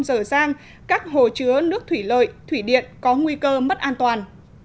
dở dang các hồ chứa nước thủy lợi thủy điện có nguy cơ mất an toàn